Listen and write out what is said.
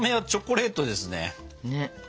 ねっ。